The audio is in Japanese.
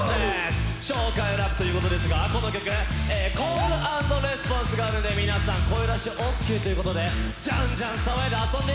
紹介ラップということですがこの曲コール＆レスポンスがあるんで皆さん声出しオーケーということでじゃんじゃん騒いで遊んでいこうぜ！